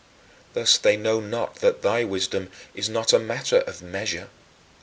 Thus they know not that thy wisdom is not a matter of measure.